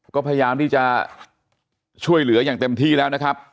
ก็พยายามที่จะช่วยเหลืออย่างเต็มที่แล้วนะครับ